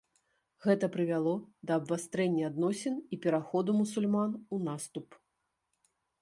Гэта прывяло да абвастрэння адносін і пераходу мусульман у наступ.